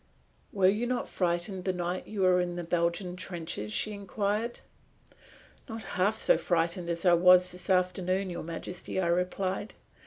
"Were you not frightened the night you were in the Belgian trenches?" she inquired. "Not half so frightened as I was this afternoon, Your Majesty," I replied.